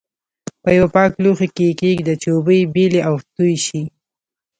په یوه پاک لوښي کې یې کېږدئ چې اوبه یې بېلې او توی شي.